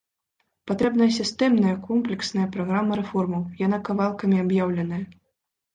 Патрэбная сістэмная комплексная праграма рэформаў, яна кавалкамі аб'яўленая.